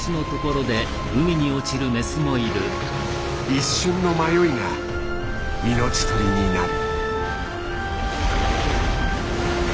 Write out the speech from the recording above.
一瞬の迷いが命取りになる。